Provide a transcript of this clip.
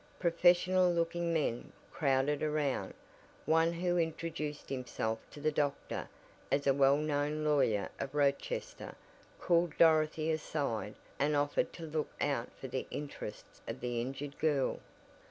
Professional looking men crowded around one who introduced himself to the doctor as a well known lawyer of Rochester called Dorothy aside and offered to look out for the interests of the injured girl.